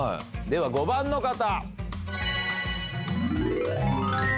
では５番の方。